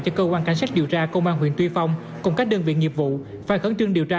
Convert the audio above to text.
cho cơ quan cảnh sát điều tra công an huyện tuy phong cùng các đơn vị nghiệp vụ phải khẩn trương điều tra